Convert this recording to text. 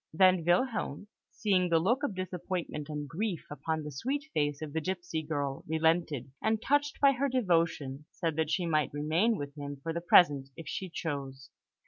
Then Wilhelm, seeing the look of disappointment and grief upon the sweet face of the gipsy girl, relented, and, touched by her devotion, said that she might remain with him for the present, if she chose.